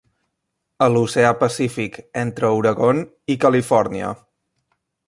A l'Oceà Pacífic entre Oregon i Califòrnia.